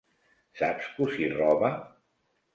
Saps cosir roba?